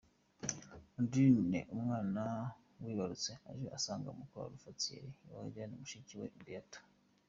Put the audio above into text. Deen umwana bibarutse aje asanga bakuru Alpha Thierry , Caysan na mushiki we Beata.